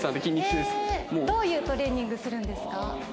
どういうトレーニングするんですか？